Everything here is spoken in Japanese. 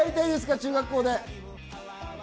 中学校で。